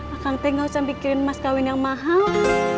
akan tak usah mikirin mas kawin yang mahal